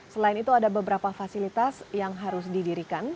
selain itu ada beberapa fasilitas yang harus didirikan